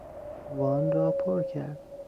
وان را پر کرد.